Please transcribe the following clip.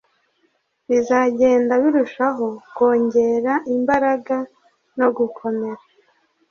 bizagenda birushaho kongera imbaraga no gukomera